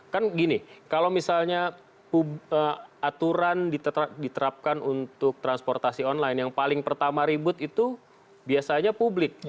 kan gini kalau misalnya aturan diterapkan untuk transportasi online yang paling pertama ribut itu biasanya publik